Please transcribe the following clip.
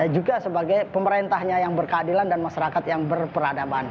juga sebagai pemerintahnya yang berkeadilan dan masyarakat yang berperadaban